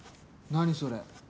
何それ？